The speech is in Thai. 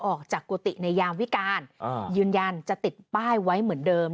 กุฏิในยามวิการยืนยันจะติดป้ายไว้เหมือนเดิม